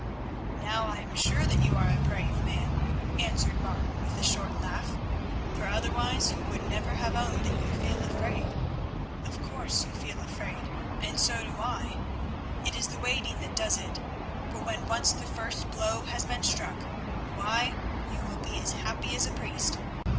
"Now I am sure that you are a brave man," answered Martin with a short laugh, "for otherwise you would never have owned that you feel afraid. Of course you feel afraid, and so do I. It is the waiting that does it; but when once the first blow has been struck, why, you will be as happy as a priest.